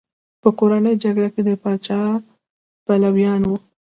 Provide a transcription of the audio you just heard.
په کورنۍ جګړه کې د پاچا پلویان وو.